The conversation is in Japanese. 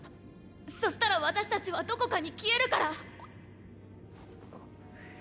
そしたら私たちはどこかに消えるから！